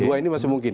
dua ini masih mungkin